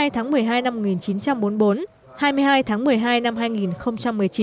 hai mươi tháng một mươi hai năm một nghìn chín trăm bốn mươi bốn hai mươi hai tháng một mươi hai năm hai nghìn một mươi chín